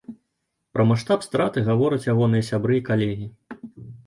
Пра маштаб страты гавораць ягоныя сябры і калегі.